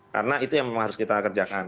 karena itu yang harus kita kerjakan